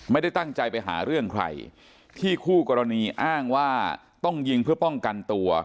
ไม่ได้ตั้งใจไปหาเรื่องใครที่คู่กรณีอ้างว่าต้องยิงเพื่อป้องกันตัว